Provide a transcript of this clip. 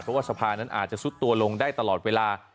เพราะว่าสภานั้นอาจจะซุดตัวลงได้ตลอดเวลา